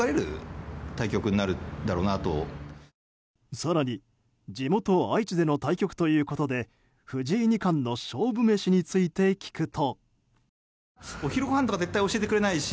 更に地元・愛知での対局ということで藤井二冠の勝負メシについて聞くと。